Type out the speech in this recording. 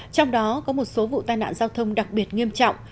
trong đó có một số vụ tai nạn giao thông đặc biệt nghiêm trọng